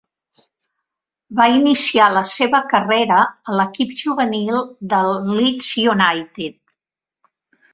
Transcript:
Va iniciar la seva carrera a l'equip juvenil del Leeds United.